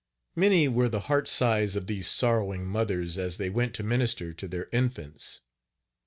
Many were the heart sighs of these sorrowing mothers as they went to minister to their infants.